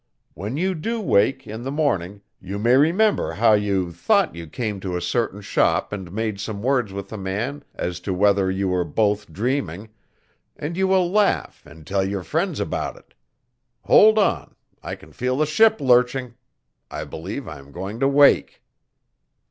When you'do wake, in the morning, you may remember how you thought you came to a certain shop and made some words with a man as to whether you were both dreaming, and you will laugh and tell your friends about it. Hold on! I can feel the ship lurching. I believe I am going to wake.